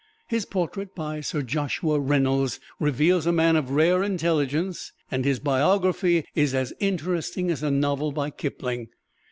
His portrait by Sir Joshua Reynolds reveals a man of rare intelligence, and his biography is as interesting as a novel by Kipling.